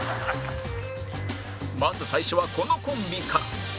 まず最初はこのコンビから